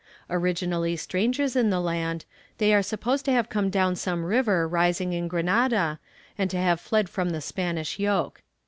Originally strangers in the land, they are supposed to have come down some river rising in Granada, and to have fled from the Spanish yoke.